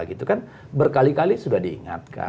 itu kan berkali kali sudah diingatkan